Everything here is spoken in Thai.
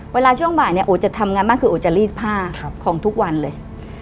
ช่วงบ่ายเนี่ยโอจะทำงานมากคือโอจะรีดผ้าของทุกวันเลย